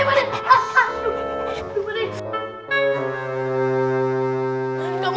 pak d kenapa